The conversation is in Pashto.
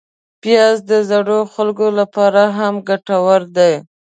پیاز د زړو خلکو لپاره هم ګټور دی